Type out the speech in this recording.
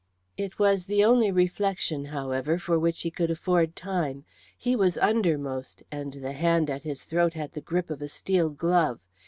It was the only reflection, however, for which he could afford time. He was undermost, and the hand at his throat had the grip of a steel glove.